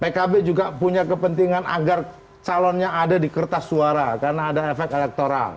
pkb juga punya kepentingan agar calonnya ada di kertas suara karena ada efek elektoral